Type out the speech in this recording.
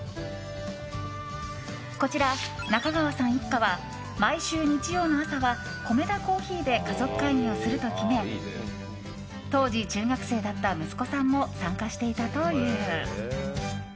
こちら、中川さん一家は毎週日曜の朝はコメダ珈琲でかぞくかいぎをすると決め当時中学生だった息子さんも参加していたという。